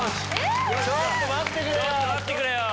ちょっと待ってくれよ！